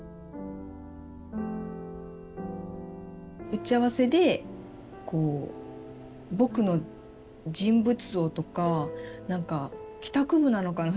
打ち合わせで「ぼく」の人物像とか何か帰宅部なのかな